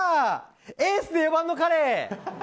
エースで四番の彼。